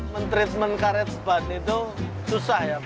men treatment karet seban itu susah ya